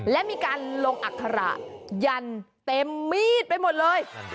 และมีการลงอัคระยันเต็มมีดไปหมดเลย